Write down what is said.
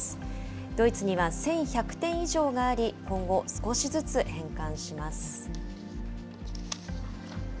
ドイツには１１００点以上があり、今後、少しずつ返還します。